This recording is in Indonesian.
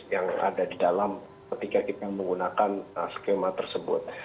yang ada di dalam ketika kita menggunakan skema tersebut